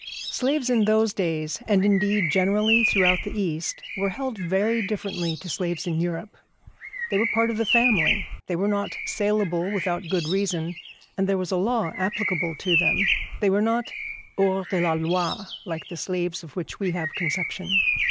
Slaves in those days, and, indeed, generally throughout the East, were held very differently to slaves in Europe. They were part of the family, and were not saleable without good reason, and there was a law applicable to them. They were not hors de la loi, like the slaves of which we have conception.